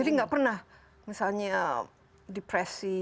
jadi gak pernah misalnya depresi